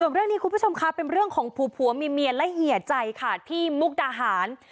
เรื่องนี้คุณผู้ชมค่ะเป็นเรื่องของผัวมีเมียและเฮียใจค่ะที่มุกดาหาร